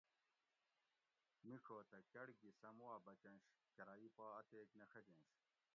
مِیڄو تہ کڑ گھی سم وا بچنش کرائی پا اتیک نہ ڛجینش